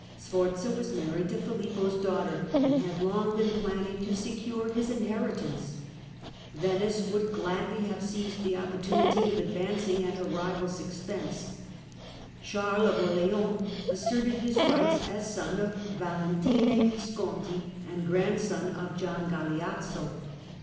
Sforza was married to Filippo's daughter, and had long been planning to secure his inheritance ; Venice would gladly have seized the opportunity of advancing at her rival's expense ; Charles of Orleans asserted his rights Francesco as SOU of Valentine Visconti and grandson of Gian Sforza Duke of Galeazzo.